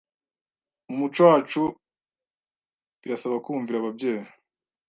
Mumuco wacu birasaba kumvira ababyeyi